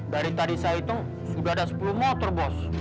dari tadi saya itu sudah ada sepuluh motor bos